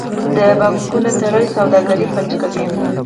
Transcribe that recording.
د بانکونو تړل سوداګري فلج کوي.